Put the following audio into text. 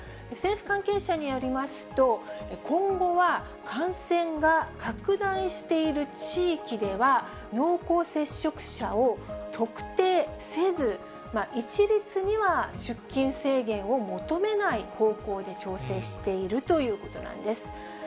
政府関係者によりますと、今後は、感染が拡大している地域では、濃厚接触者を特定せず、一律には出勤制限を求めない方向で調整しているということなんです。